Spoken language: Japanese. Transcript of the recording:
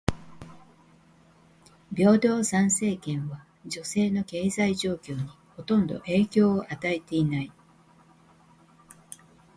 平等参政権は女性の経済状況にほとんど影響を与えていない。